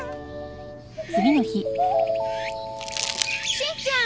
しんちゃん